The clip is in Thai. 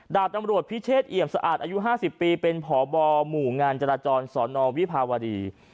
ดาบตำรวจพิเชษเอี่ยมสะอาดอายุ๕๐ปีเป็นพบหมู่งานจราจรสอนอวิภาวดี